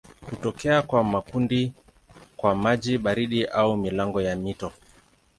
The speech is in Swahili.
Hutokea kwa makundi kwa maji baridi au milango ya mito.